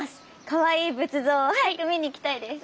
かわいい仏像早く見に行きたいです！